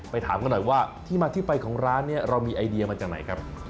ถามกันหน่อยว่าที่มาที่ไปของร้านนี้เรามีไอเดียมาจากไหนครับ